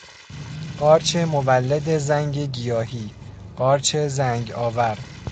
قارچ مولد زنگ گیاهی، قارچ زنگ آور